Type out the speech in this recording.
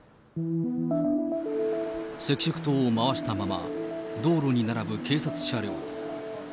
赤色灯を回したまま、道路に並ぶ警察車両。